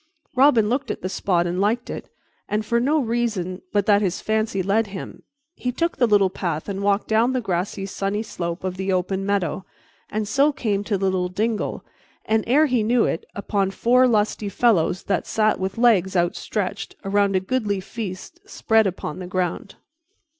Robin looked at the spot and liked it, and, for no reason but that his fancy led him, he took the little path and walked down the grassy sunny slope of the open meadow, and so came to the little dingle and, ere he knew it, upon four lusty fellows that sat with legs outstretched around a goodly feast spread upon the ground.